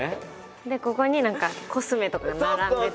でここに何かコスメとかが並んでて。